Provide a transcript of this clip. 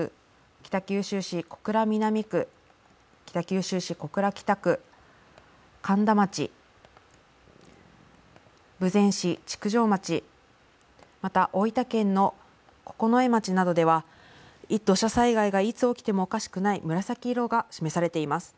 北九州市小倉南区北九州北小倉北区苅田町豊前市、築城町また、大分県の九重町などでは土砂災害がいつ起きてもおかしくない紫色が示されています。